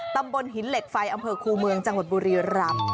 ตำบลหินเหล็กไฟอำเภอคูเมืองจังหวัดบุรีรำ